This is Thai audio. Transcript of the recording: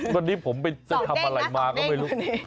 ตอนนี้ผมไปทำอะไรมาก็ไม่รู้